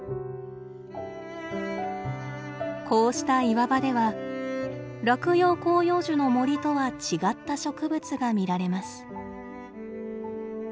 こうした岩場では落葉広葉樹の森とは違った植物が見られます。